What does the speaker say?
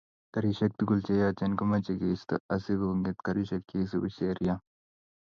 Garisiek tugul che yachen komoche keisto asi konget garisiek che isubi sheria